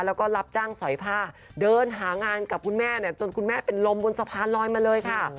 แล้วก็รับจ้างสอยผ้าเดินหางานกับคุณแม่จนคุณแม่เป็นลมบนสะพานลอยมาเลยค่ะ